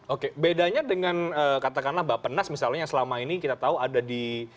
oke bedanya dengan katakanlah bapak nas misalnya selama ini kita tahu ada di